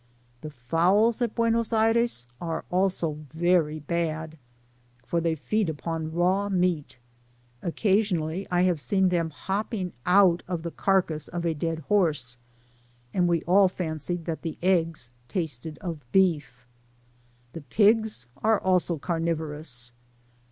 The fowls at Buenos Aires are also very bad, for they feed upon raw meat ; occasionally I have seen them hopping out of the carcass of a dead horse ; and we all fancied that the eggs tasted of beef. The pigs are also carnivorous.